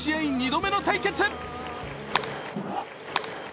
２度目の対決。